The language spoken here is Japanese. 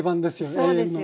永遠のね。